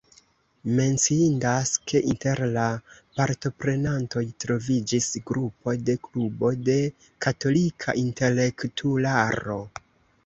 Menciindas, ke inter la partoprenantoj troviĝis grupo de Klubo de Katolika Intelektularo.